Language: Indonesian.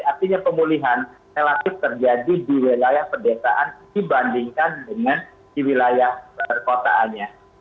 artinya pemulihan relatif terjadi di wilayah pedesaan dibandingkan dengan di wilayah perkotaannya